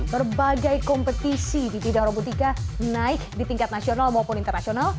berbagai kompetisi di bidang robotika naik di tingkat nasional maupun internasional